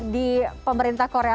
di pemerintah korea